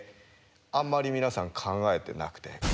あんまり皆さん考えてなくて。